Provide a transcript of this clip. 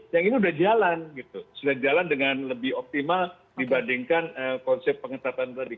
yang ini sudah jalan gitu sudah jalan dengan lebih optimal dibandingkan konsep pengetatan tadi